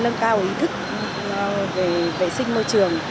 nâng cao ý thức về vệ sinh môi trường